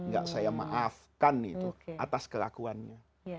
gak saya maafkan itu atas kelakuannya